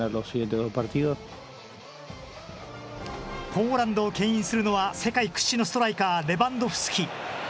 ポーランドをけん引するのは世界屈指のストライカー、レバンドフスキ。